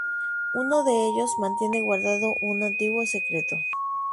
Uno de ellos mantiene guardado un antiguo secreto.